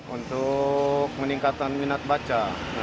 untuk meningkatkan minat baca